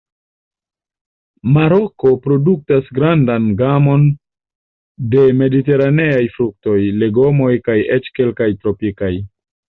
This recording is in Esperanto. Maroko produktas grandan gamon de mediteraneaj fruktoj, legomoj kaj eĉ kelkaj tropikaj.